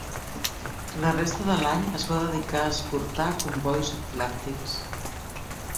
La resta de l'any es va dedicar a escortar combois atlàntics.